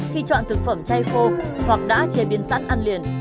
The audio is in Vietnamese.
khi chọn thực phẩm chay khô hoặc đã chế biến sẵn ăn liền